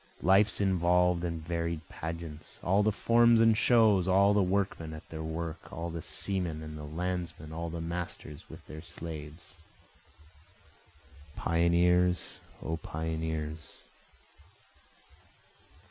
Life's involv'd and varied pageants, All the forms and shows, all the workmen at their work, All the seamen and the landsmen, all the masters with their slaves, Pioneers! O pioneers!